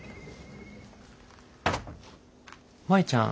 舞ちゃん？